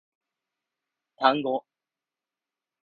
単語